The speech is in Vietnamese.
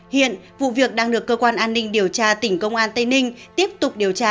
hiện vụ việc đang được cơ quan an ninh điều tra tỉnh công an tây ninh tiếp tục điều tra